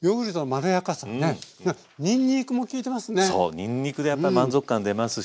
にんにくでやっぱり満足感出ますし